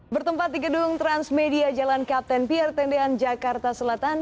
bertempat di gedung transmedia jalan kapten pierre tendean jakarta selatan